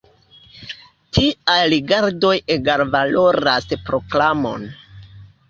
Tiaj rigardoj egalvaloras proklamon.